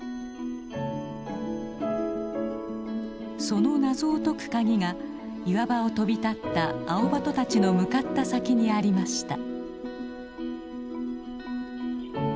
その謎を解く鍵が岩場を飛び立ったアオバトたちの向かった先にありました。